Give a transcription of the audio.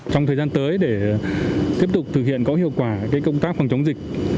trong thời gian tới để tiếp tục thực hiện có hiệu quả công tác phòng chống dịch